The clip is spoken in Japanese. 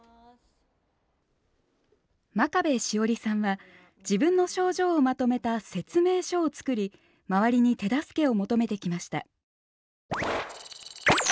真壁詩織さんは自分の症状をまとめた「説明書」を作り周りに手助けを求めてきました。